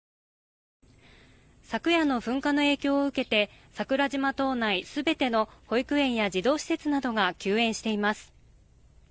昨夜の噴火の影響を受けて桜島島内全ての保育園や児童施設などが休園しています。